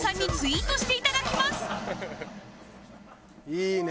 いいね。